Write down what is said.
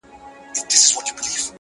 د سل سره اژدها په كور كي غم وو،